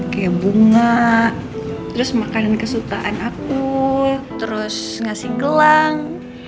kayak bunga terus makanan kesukaan aku terus ngasih gelang